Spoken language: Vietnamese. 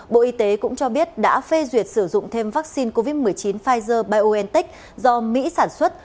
bộ y tế cũng cho biết đã phê duyệt sử dụng thêm vaccine covid một mươi chín pfizer biontech do mỹ sản xuất